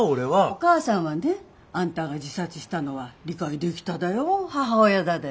お母さんはねあんたが自殺したのは理解できただよ母親だで。